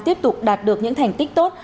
tiếp tục đạt được những thành tích tốt